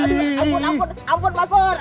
ampun ampun ampun mas pur